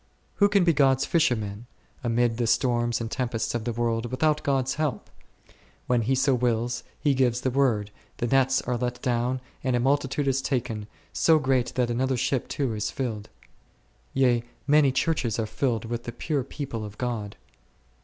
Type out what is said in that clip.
Who can be Gods fisherman, amid the storms and tempests of the world, without God's help ? When He so wills, He gives the word, the nets are let down and a multitude is taken, so great that another ship too is filled; yea, many Churches are filled with the pure people of God.